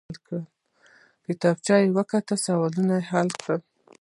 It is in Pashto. بله کتابچه يې وکته. سوالونه حل وو.